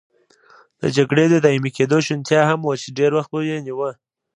د جګړې د دایمي کېدو شونتیا هم وه چې ډېر وخت به یې نیوه.